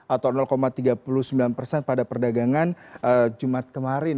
atau tiga puluh sembilan persen pada perdagangan jumat kemarin